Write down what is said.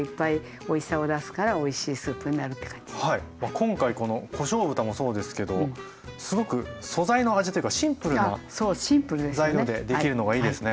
今回このこしょう豚もそうですけどすごく素材の味というかシンプルな材料でできるのがいいですね。